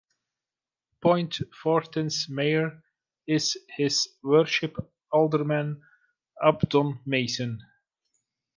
Point Fortin's Mayor is His Worship Alderman Abdon Mason.